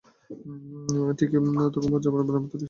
ঠিক তখন পঞ্চম বারের মতো রিকশার চেইন পড়ে গেল।